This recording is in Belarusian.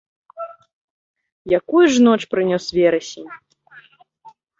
Якую ж ноч прынёс верасень!